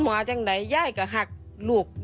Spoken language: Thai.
แม่จะมาเรียกร้องอะไร